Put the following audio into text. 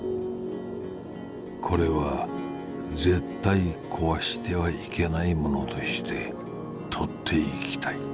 「これは絶対こわしてはいけないものとして撮っていきたい。